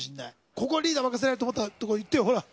ここはリーダー任せられると思ったところ言ってよほら！